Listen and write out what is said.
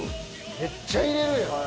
めっちゃ入れるやん。